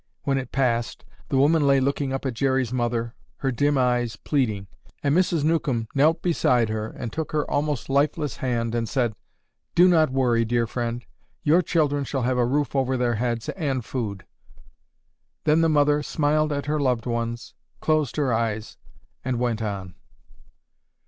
When it passed, the woman lay looking up at Jerry's mother, her dim eyes pleading, and Mrs. Newcomb knelt beside her and took her almost lifeless hand and said, 'Do not worry, dear friend, your children shall have a roof over their heads and food.' Then the mother smiled at her loved ones, closed her eyes and went on."